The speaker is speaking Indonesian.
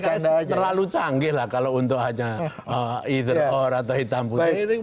saya kira pks terlalu canggih lah kalau untuk hanya either or atau hitam putih